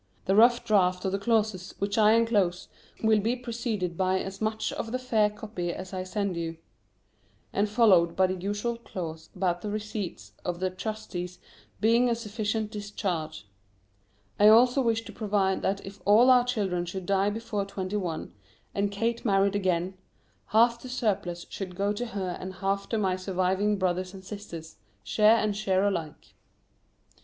The rough draft of the clauses which I enclose will be preceded by as much of the fair copy as I send you, and followed by the usual clause about the receipts of the trustees being a sufficient discharge. I also wish to provide that if all our children should die before twenty one, and Kate married again, half the surplus should go to her and half to my surviving brothers and sisters, share and share alike.